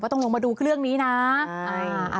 ต้องลงมาดูเครื่องนี้นะ